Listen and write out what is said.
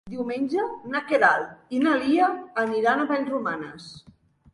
Diumenge na Queralt i na Lia aniran a Vallromanes.